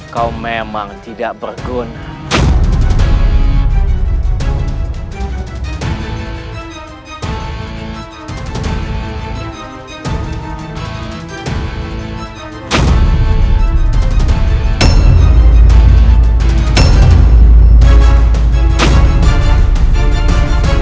kau memang tidak berguna